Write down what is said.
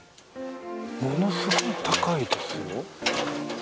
ものすごく高いですよ。